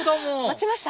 待ちました？